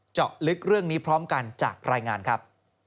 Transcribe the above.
เจาะลึกเรื่องนี้พร้อมกันจากรายงานครับ